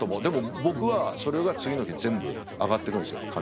でも僕はそれが次の日全部上がってくるんですよ